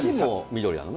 緑なのね。